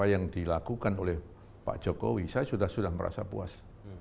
yang dilakukan oleh pak jokowi saya sudah sudah merasa puas